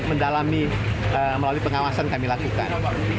mendalami melalui pengawasan kami lakukan